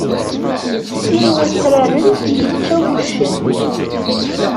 Sin wakraren i yečča wuccen.